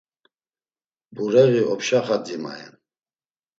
Bureği opşa xadzi mayen.